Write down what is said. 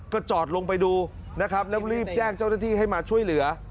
ก็จอดลงไปดูนะครับแล้วรีบแจ้งเจ้าหน้าที่ให้มาช่วยเหลือ